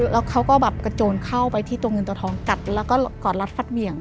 แล้วเขาก็แบบกระโจนเข้าไปที่ตัวเงินตัวทองกัดแล้วก็กอดรัดฟัดเหวี่ยง